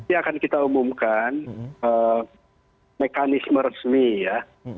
ya akan kita umumkan mekanisme resmi ya